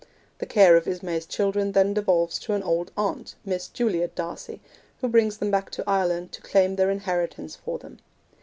The care of Ismay's children then devolves on an old aunt, Miss Juliet D'Arcy, who brings them back to Ireland to claim their inheritance for them.